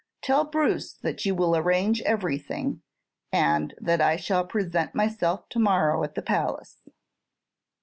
Tell Bruce that you will arrange everything, and that I shall present myself to morrow at the palace."